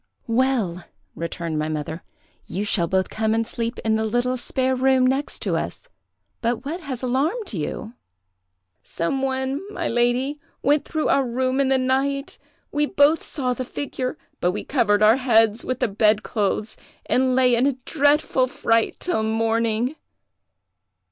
"'Well,' returned my mother, 'you shall both come and sleep in the little spare room next us; but what has alarmed you?' "'Some one, my lady, went through our room in the night; we both saw the figure, but we covered our heads with the bed clothes, and lay in a dreadful fright till morning.